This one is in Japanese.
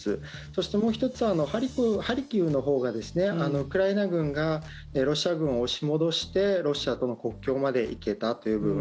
そして、もう１つはハルキウのほうがウクライナ軍がロシア軍を押し戻してロシアとの国境まで行けたという部分。